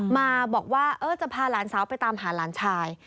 มาบอกว่าจะพาหลานสาวไปตามหาหลานชาย